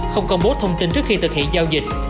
không công bố thông tin trước khi thực hiện giao dịch